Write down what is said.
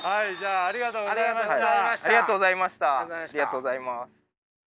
ありがとうございます。